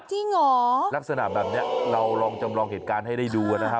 จริงเหรอลักษณะแบบนี้เราลองจำลองเหตุการณ์ให้ได้ดูนะครับ